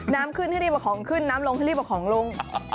น้ำขึ้นให้รีบเอาของขึ้นน้ำลงให้รีบเอาของลง